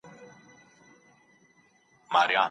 هغه په ګڼ ځای کي د ږغ سره ډوډۍ نه ده راوړي.